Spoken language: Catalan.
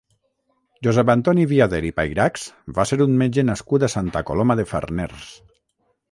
Josep Anton Viader i Payrachs va ser un metge nascut a Santa Coloma de Farners.